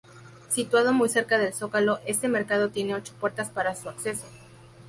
Situado muy cerca del Zócalo este mercado tiene ocho puertas para su acceso.